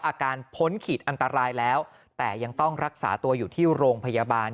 พ้นขีดอันตรายแล้วแต่ยังต้องรักษาตัวอยู่ที่โรงพยาบาล